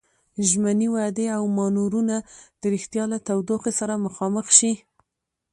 ژمنې، وعدې او مانورونه د ريښتيا له تودوخې سره مخامخ شي.